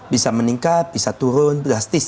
bisa meningkat bisa turun drastis